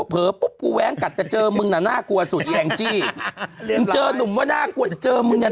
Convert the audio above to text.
เผลอปุ๊บกูแว้งกัดแต่เจอมึงน่ะน่ากลัวสุดแองจี้มึงเจอนุ่มว่าน่ากลัวจะเจอมึงเนี่ย